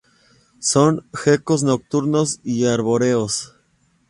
Son gecos nocturnos y arbóreos.